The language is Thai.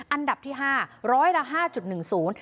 อันดับที่ห้าร้อยละห้าจุดหนึ่งศูนย์